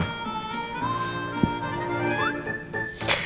mau tau enggak